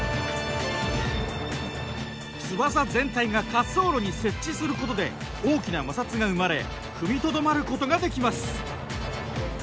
翼全体が滑走路に接地することで大きな摩擦が生まれ踏みとどまることができます。